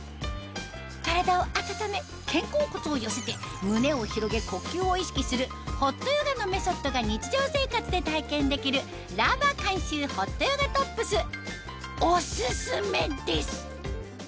体を暖め肩甲骨を寄せて胸を広げ呼吸を意識するホットヨガのメソッドが日常生活で体験できるＬＡＶＡ監修ホットヨガトップスお薦めです！